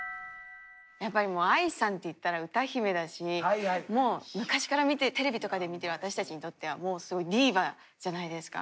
やっぱりＡＩさんっていったら歌姫だし昔から見てテレビとかで見て私たちにとってはもうすごいディーバじゃないですか。